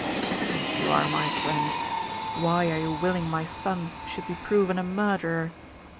"If you are my friend, why are you willing my son should be proven a murderer?